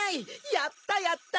やったやった！